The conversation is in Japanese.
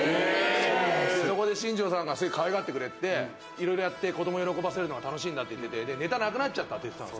そこで新庄さんがすごいかわいがってくれて、いろいろやって、子ども喜ばせるのが楽しいんだって言ってて、ネタなくなっちゃって言ってたの。